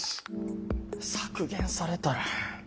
削減されたら。